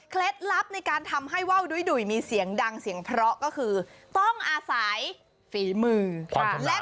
ลับในการทำให้ว่าวดุ้ยมีเสียงดังเสียงเพราะก็คือต้องอาศัยฝีมือและ